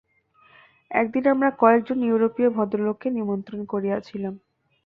একদিন আমরা কয়েক জন ইউরোপীয় ভদ্রলোককে নিমন্ত্রণ করিয়াছিলাম।